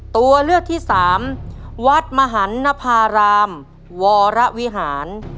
ตัวเลือกที่สามวัดมหันนภารามวรวิหาร